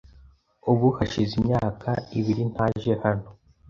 Ubu hashize imyaka ibiri ntaje hano.